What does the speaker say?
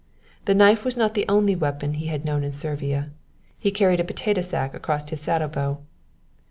The knife was not the only weapon he had known in Servia; he carried a potato sack across his saddle bow.